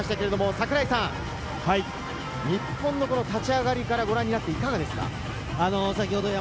櫻井さん、日本の立ち上がりからご覧になっていかがですか？